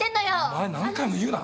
お前何回も言うな。